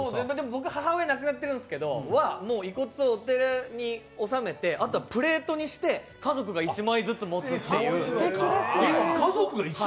僕、母親が亡くなっているんですけど、母親は遺骨をお寺に納めて、あとはプレートにして、家族が１枚ずつ持つっていう。